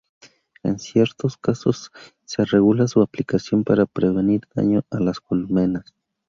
En ciertos casos se regula su aplicación para prevenir daño a las colmenas.